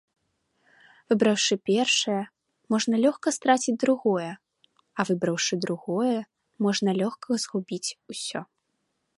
Выбраўшы першае, можна лёгка страціць другое, а выбраўшы другое, можна лёгка згубіць усё.